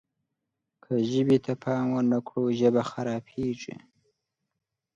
که ژبې ته پام ونه کړو ژبه خرابېږي.